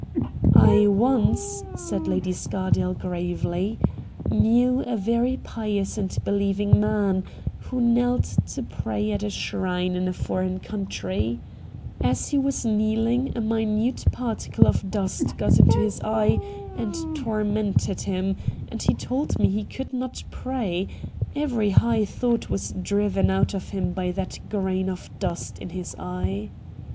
' I once,' said Lady Scardale gravely, * knew a very pious and beheving man, who knelt to pray at a shrine in a foreign country. As he was kneeling a minute particle of dust got into his eye and tormented him, and he told me he could not pray — every high thought was driven out of him by that grain of dust in his eye.